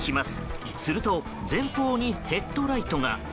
すると前方にヘッドライトが。